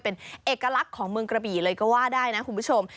เป็นเอกลักษณ์ของเมืองกระบี่เลยก็ว่าได้นะคุณผู้ชม